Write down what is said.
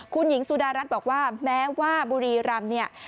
คุณหญิงสุดารัฐบอกว่าแม้ว่าบุรีรำเนี่ย